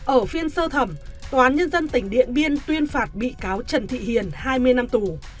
ở phiên sơ thẩm tòa án nhân dân tỉnh điện biên tuyên phạt bị cáo trần thị hiền hai mươi năm tù